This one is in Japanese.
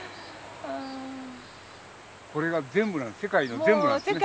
これが全部世界の全部なんですね。